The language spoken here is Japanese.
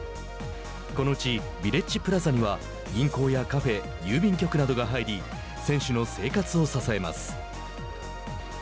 このうち、ビレッジプラザには銀行やカフェ、郵便局などが入り選手の生活を支えます。